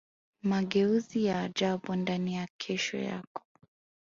mageuzi ya ajabu ndani ya kesho yako